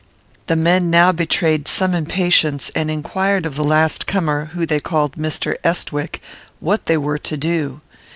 The men now betrayed some impatience; and inquired of the last comer, whom they called Mr. Estwick, what they were to do.